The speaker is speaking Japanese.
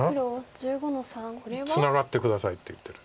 ツナがって下さいって言ってる。